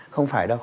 không phải đâu